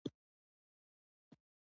دوی دفترونه او کورونه پاکوي.